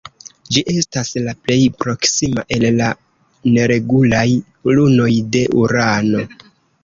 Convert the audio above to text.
Ĝi estas la plej proksima el la neregulaj lunoj de Urano.